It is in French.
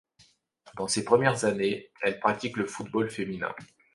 Dans ses premières années, elle pratique le football féminin.